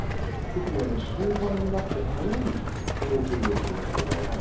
特に終盤になって速い相撲を取るようになりましたよね。